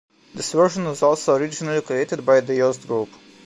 This version was also originally created by the Yost Group.